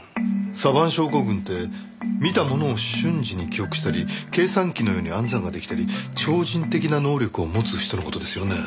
サヴァン症候群って見たものを瞬時に記憶したり計算機のように暗算が出来たり超人的な能力を持つ人の事ですよね？